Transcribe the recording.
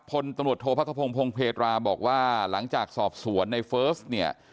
พลตำรวจโทษพระขพงพงเพตราบอกว่าหลังจากสอบสวนในเฟิร์สเนี่ย